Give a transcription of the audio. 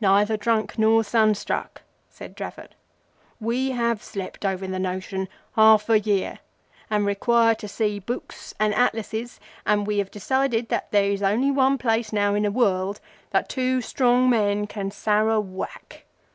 "Neither drunk nor sunstruck," said Dravot. "We have slept over the notion half a year, and require to see Books and Atlases, and we have decided that there is only one place now in the world that two strong men can Sar a whack.